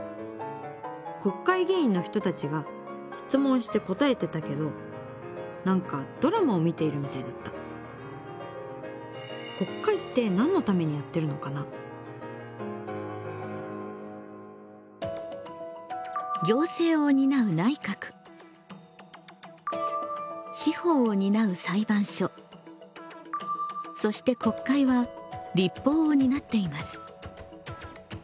国会議員の人たちが質問して答えてたけど何かドラマを見ているみたいだった行政を担う内閣司法を担う裁判所そして国会は立法を担っています。